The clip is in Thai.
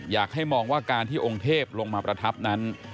อยากให้มองว่าการที่องค์เทพลงมาประทับนั้น